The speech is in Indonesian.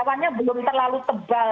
awannya belum terlalu tebal